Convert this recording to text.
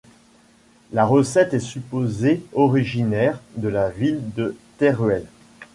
La recette est supposée originaire de la ville de Teruel.